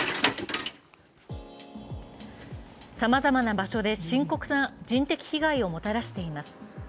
さまざまな場所で深刻な人的被害をもたらしています。